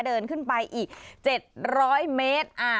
เดินขึ้นไปอีก๗๐๐เมตร